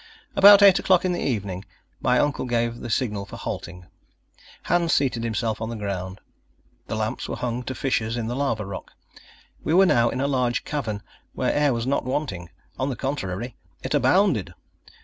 About eight o'clock in the evening, my uncle gave the signal for halting. Hans seated himself on the ground. The lamps were hung to fissures in the lava rock. We were now in a large cavern where air was not wanting. On the contrary, it abounded.